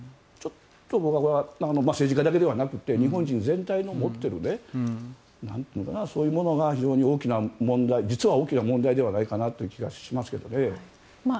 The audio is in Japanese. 僕は政治家だけじゃなくて日本人全体の持っているなんというかそういうものが非常に大きな問題実は大きな問題ではという気がしますけどね。